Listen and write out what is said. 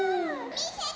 みせて！